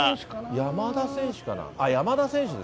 山田選手かな？